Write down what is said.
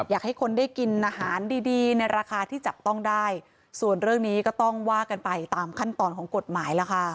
อยากให้คนได้กินอาหารดีดีในราคาที่จับต้องได้ส่วนเรื่องนี้ก็ต้องว่ากันไปตามขั้นตอนของกฎหมายล่ะค่ะ